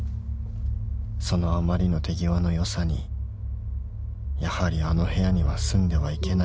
［そのあまりの手際のよさにやはりあの部屋には住んではいけないと確信したのです］